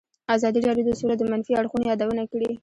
ازادي راډیو د سوله د منفي اړخونو یادونه کړې.